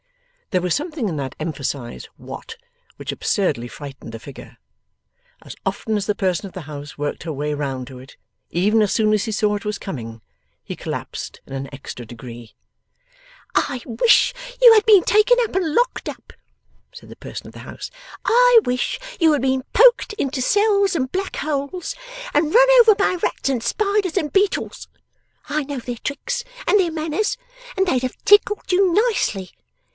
There was something in that emphasized 'What,' which absurdly frightened the figure. As often as the person of the house worked her way round to it even as soon as he saw that it was coming he collapsed in an extra degree. 'I wish you had been taken up, and locked up,' said the person of the house. 'I wish you had been poked into cells and black holes, and run over by rats and spiders and beetles. I know their tricks and their manners, and they'd have tickled you nicely.